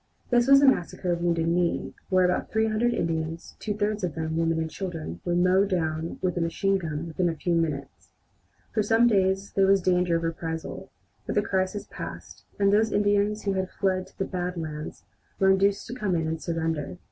This was the massacre of Wounded Knee, where about 300 Indians, two thirds of them women and children, were mown down with machine guns within a few minutes. For some days there was danger of a reprisal, but the crisis passed, and those Indians who had fled to the "Bad Lands" were induced to come in and surrender.